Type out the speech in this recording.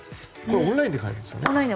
オンラインでも買えますよね？